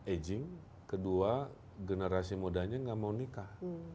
aging kedua generasi mudanya nggak mau nikah